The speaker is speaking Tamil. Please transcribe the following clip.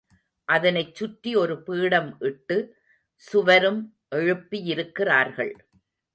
அதனைச் சுற்றி ஒரு பீடம் இட்டு, சுவரும் எழுப்பியிருக்கிறார்கள்.